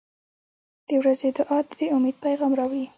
• د ورځې دعا د امید پیغام راوړي.